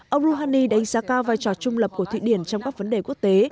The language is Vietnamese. ông rouhani đánh giá cao vai trò trung lập của thụy điển trong các vấn đề quốc tế